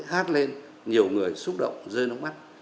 hát lên nhiều người xúc động rơi nóng mắt